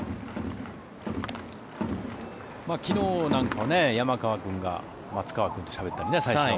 昨日なんかは山川君が松川君としゃべったり。